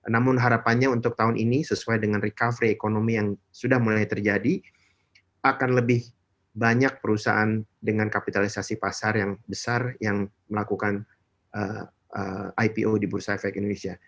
namun harapannya untuk tahun ini sesuai dengan recovery ekonomi yang sudah mulai terjadi akan lebih banyak perusahaan dengan kapitalisasi pasar yang besar yang melakukan ipo di bursa efek indonesia